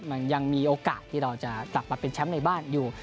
มันยังมีโอกาสที่เราจะกลับมาเป็นแชมป์ในบ้านอยู่